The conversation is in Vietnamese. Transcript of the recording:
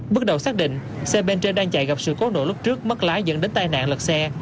bước đầu xác định xe bên trên đang chạy gặp sự cố nổ lúc trước mất lái dẫn đến tai nạn lật xe